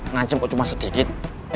ngancem kok cuma sedikit